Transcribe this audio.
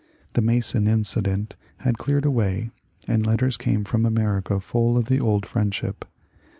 The Mason incident had cleared away, and letters came from America full of the old friendship.